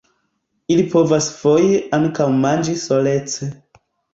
Ili povas foje ankaŭ manĝi solece.